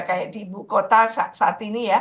kayak di ibu kota saat ini ya